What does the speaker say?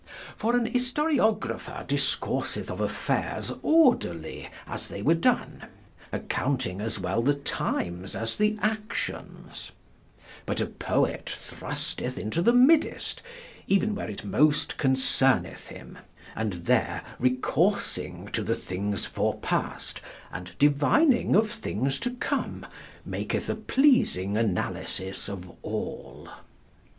For an historiographer discourseth of affayres orderly as they were donne, accounting as well the times as the actions; but a poet thrusteth into the middest, even where it most concerneth him, and there recoursing to the thinges forepaste, and divining of thinges to come, maketh a pleasing analysis of all.